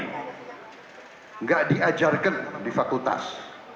tidak diajarkan di fakultas